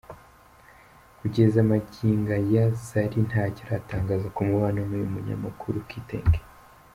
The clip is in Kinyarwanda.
Kugeza magingo aya Zari ntacyo aratangaza ku mubano n’uyu munyamakuru Kitenge.